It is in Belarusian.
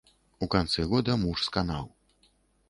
У канцы года муж сканаў.